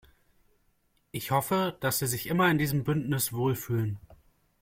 Ich hoffe, dass Sie sich immer in diesem Bündnis wohlfühlen.